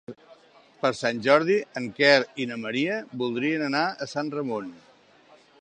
Per Sant Jordi en Quer i na Maria voldrien anar a Sant Ramon.